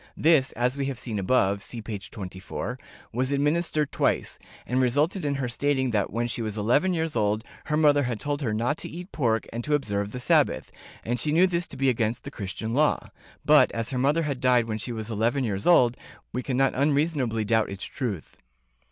This, as we have seen above (p. 24) was administered twice, and resulted in her stating that when she was eleven years old her mother had told her not to eat pork and to observe the Sabbath, and she knew this to be against the Christian Law — but, as her mother had died when she was eleven years old, we can not unreasonably doubt its truth.